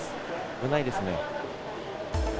危ないですね。